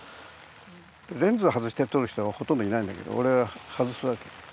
レンズを外して撮る人はほとんどいないんだけど俺は外すわけ。